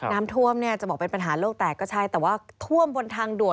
น้ำท่วมเนี่ยจะบอกเป็นปัญหาโลกแตกก็ใช่แต่ว่าท่วมบนทางด่วน